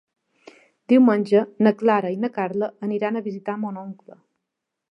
Diumenge na Clara i na Carla aniran a visitar mon oncle.